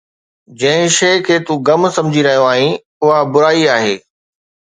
جنهن شيءِ کي تون غم سمجهي رهيو آهين، اها برائي آهي